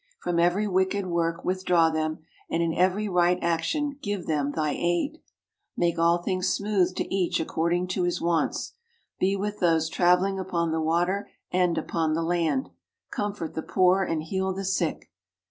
From every wicked work withdraw them, and in every right action give them Thy aid. Make all things smooth to each according to his wants. Be with those travelling upon the water and upon the land. Comfort the poor and heal the sick.